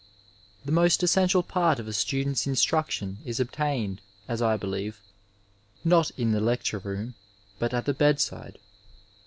The most essential part of a student's instruction is obtained, as I believe, not in the lecture room, but at the bedside.